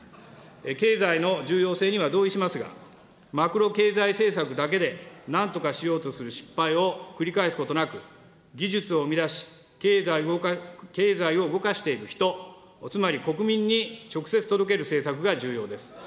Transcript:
経済の重要性には同意しますが、マクロ経済政策だけでなんとかしようとする失敗を繰り返すことなく、技術を生み出し、経済を動かしていく人、つまり国民に直接届ける政策が重要です。